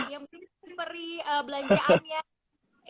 yang mungkin diberi belanjaannya